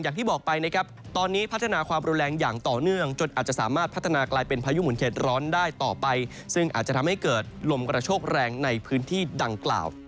อย่างที่บอกไปนะครับตอนนี้พัฒนาความรุนแรงอย่างต่อเนื่องจนอาจจะสามารถพัฒนากลายเป็นพายุหมุนเข็ดร้อนได้ต่อไปซึ่งอาจจะทำให้เกิดลมกระโชกแรงในพื้นที่ดังกล่าว